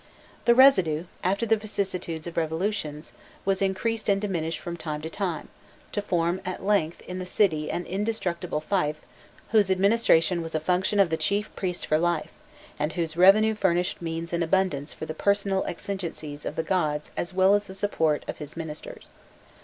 The residue, after the vicissitudes of revolutions, was increased and diminished from time to time, to form at length in the city an indestructible fief whose administration was a function of the chief priest for life, and whose revenue furnished means in abundance for the personal exigencies of the gods as well as the support of his ministers.